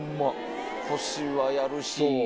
腰はやるし。